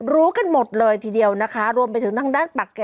รู้กันหมดเลยทีเดียวนะคะรวมไปถึงทางด้านปากแก่